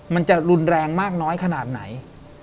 มันจะรุนแรงมากน้อยขนาดไหน